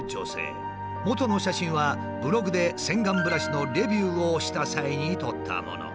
もとの写真はブログで洗顔ブラシのレビューをした際に撮ったもの。